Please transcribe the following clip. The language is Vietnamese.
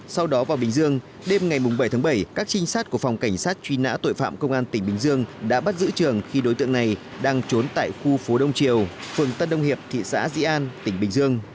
sau đó vào bình dương đêm ngày bảy tháng bảy các trinh sát của phòng cảnh sát truy nã tội phạm công an tỉnh bình dương đã bắt giữ trường khi đối tượng này đang trốn tại khu phố đông triều phường tân đông hiệp thị xã dĩ an tỉnh bình dương